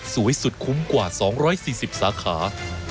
สุดคุ้มกว่า๒๔๐สาขา